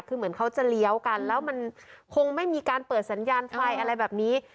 คือเหมือนเขาจะเลี้ยวกันแล้วมันคงไม่มีการเปิดสัญญาณไฟอะไรแบบนี้